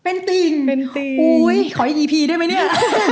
โอ้ยขออีกอีพีด้วยไหมเนี่ย